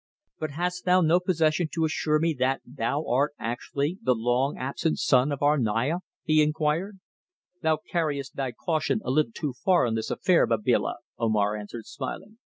"But hast thou no possession to assure me that thou art actually the long absent son of our Naya?" he inquired. "Thou carriest thy caution a little too far in this affair, Babila," Omar answered smiling.